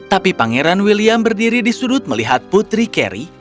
tapi pangeran william berdiri di sudut melihat putri carry